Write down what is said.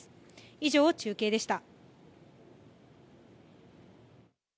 以上、中継でした。